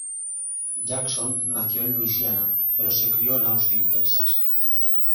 Jackson nació en Luisiana, pero se crio en Austin, Texas.